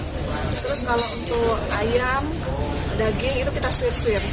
terus kalau untuk ayam daging itu kita suir swit